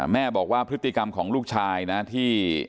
แม่บอกว่าพฤติกรรมของลูกชายนะที่